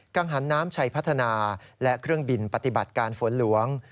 ังหันน้ำชัยพัฒนาและเครื่องบินปฏิบัติการฝนหลวง